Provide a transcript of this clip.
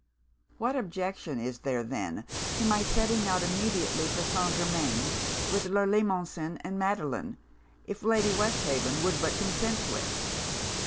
'What objection is there then to my setting out immediately for St. Germains, with Le Limosin and Madelon, if Lady Westhaven would but consent to it?'